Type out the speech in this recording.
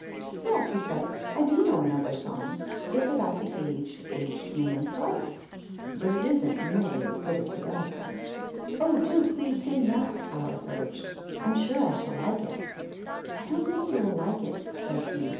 " Yes," he said, " I do know another song. It's about the * Aged, Aged Man's Wife,' but it isn't nearly as good as the other one." THE WHITE KNIGHT. Ill " Oh, do please sing that," Alice urged ;" I'm sure I shall like it." " I don't think you will like it," said he.